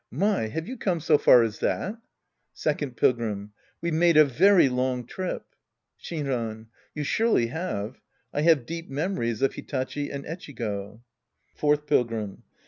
My, have you come so far as that ? Second Pilgrim. We've made a very long trip. Shinran. You surely have. I have deep memories of Hitachi and Echigo. Fourth Pilgrim.